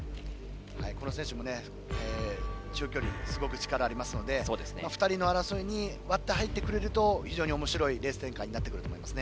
この選手も長距離、力がありますので２人の争いに割って入ると非常におもしろいレース展開になってくると思います。